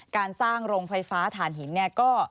การสร้างโรงไฟฟ้าฐานหินเนี่ยก็